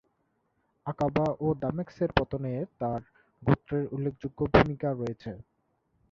আকাবা ও দামেস্কের পতনে তার গোত্রের উল্লেখযোগ্য ভূমিকা রয়েছে।